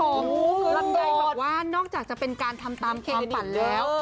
รับใจบอกว่านอกจากจะเป็นการทำตามเครดินแล้ว